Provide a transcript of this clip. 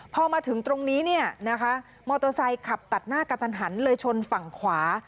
พอมาถึงตรงนี้เนี่ยนะคะมอเตอร์ไซค์ขับตัดหน้ากระทันหันเลยชนฝั่งขวา